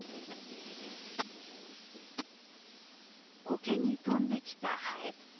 コケに飛んできたハエ。